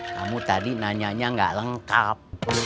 kamu tadi nanyanya gak lengkap